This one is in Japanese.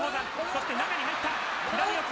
そして、中に入った。